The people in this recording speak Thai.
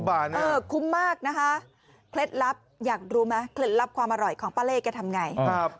ใช่คุ้มมากนะฮะอยากรู้ไหมเคล็ดลับความอร่อยของป้าเล่แกทำอย่างไร